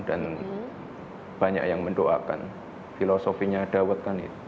dan banyak yang mendoakan filosofinya dawet kan itu